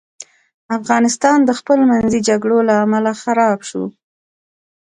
افغانستان د خپل منځي جګړو له امله خراب سو.